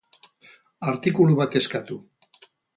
Artikulu bat eskatu